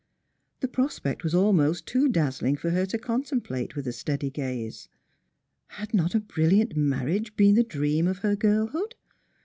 The pros pect was almost too dazzling for her to contemplate with a steady gaze. Had not a brilliant marriage been the dream of her girlhood